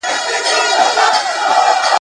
ټول بې واکه مسافر دي بې اختیاره یې سفر دی ,